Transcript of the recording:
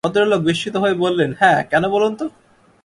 ভদ্রলোক বিস্মিত হয়ে বললেন, হ্যাঁ, কেন বলুন তো?